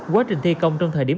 quá trình thi công trong thời điểm